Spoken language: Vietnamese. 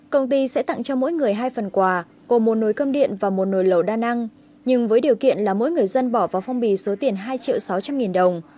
công ty sẽ tặng cho mỗi người hai phần quà gồm một nồi cơm điện và một nồi lầu đa năng nhưng với điều kiện là mỗi người dân bỏ vào phong bì số tiền hai triệu sáu trăm linh nghìn đồng